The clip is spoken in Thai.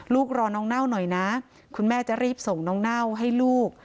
รอน้องเน่าหน่อยนะคุณแม่จะรีบส่งน้องเน่าให้ลูก